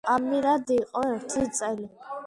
ამირად იყო ერთი წელი.